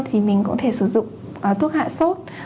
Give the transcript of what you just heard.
thì mình có thể sử dụng thuốc hạ sốt